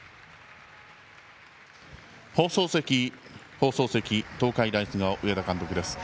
放送席東海大菅生の上田監督です。